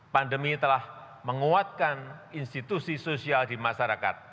pandemi telah menguatkan institusi sosial di masyarakat